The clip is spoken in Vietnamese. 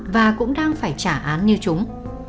và cũng đang phải trả án như chúng